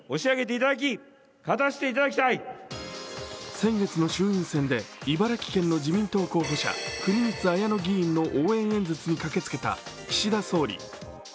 先月の衆院選で茨城県の候補者国光文乃議員の応援演説に駆けつけた岸田総理。